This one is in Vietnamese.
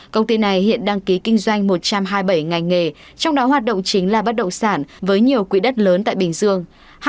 công ty này hiện đăng ký kinh doanh một trăm hai mươi bảy ngành nghề trong đó hoạt động chính là bắt động sản với nhiều quỹ đất lớn tại bình dương